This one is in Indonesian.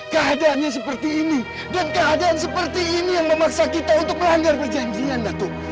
keadaannya seperti ini dan keadaan seperti ini yang memaksa kita untuk melanggar perjanjian datuk